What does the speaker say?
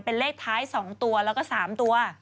เป็นเลขท้าย๒ตัวแล้วก็๓ตัว